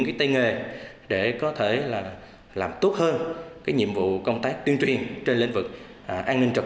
cái tay nghề để có thể là làm tốt hơn cái nhiệm vụ công tác tuyên truyền trên lĩnh vực an ninh trật